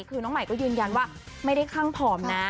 คือน้องใหม่ก็ยืนยันว่าไม่ได้ข้างผอมนะ